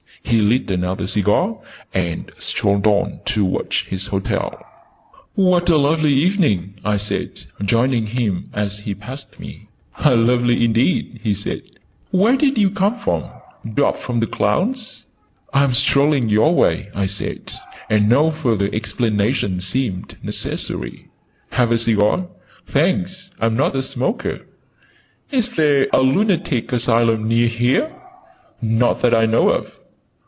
He lit another cigar, and strolled on towards his hotel. "What a lovely evening!" I said, joining him as he passed me. "Lovely indeed," he said. "Where did you come from? Dropped from the clouds?" "I'm strolling your way," I said; and no further explanation seemed necessary. "Have a cigar?" "Thanks: I'm not a smoker." "Is there a Lunatic Asylum near here?" "Not that I know of."